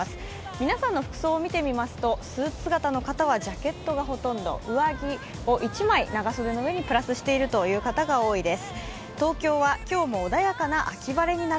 皆さんの服装を見てみますとスーツ姿の方はジャケットがほとんど、上着を１枚、長袖の上にプラスしているという方が多いです。